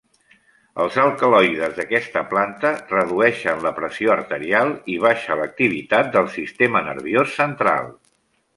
Els alcaloides d'aquesta planta redueixen la pressió arterial, i baixa l'activitat del sistema nerviós central.